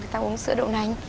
thì ta uống sữa đậu nành